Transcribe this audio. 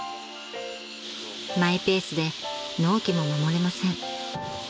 ［マイペースで納期も守れません］